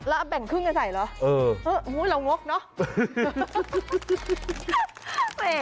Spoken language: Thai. แล้วแบ่งครึ่งกันใส่เหรอโอ๊ยเรางกเนอะเสร็จ